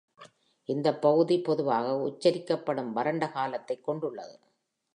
இந்த பகுதி பொதுவாக உச்சரிக்கப்படும் வறண்ட காலத்தைக் கொண்டுள்ளது.